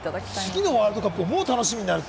次のワールドカップがもう楽しみになると。